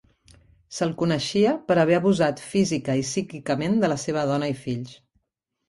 S'el coneixia per haver abusat física i psíquicament de la seva dona i fills.